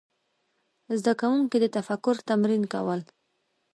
زده کوونکي د تفکر تمرین کول.